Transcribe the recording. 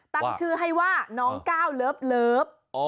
ตั้งชื่อให้ว่าน้องก้าวเลิฟ